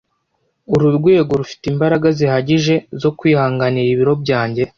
Uru rwego rufite imbaraga zihagije zo kwihanganira ibiro byanjye?